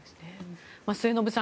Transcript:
末延さん